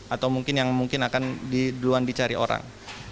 atau mungkin yang mungkin akan duluan dicari orang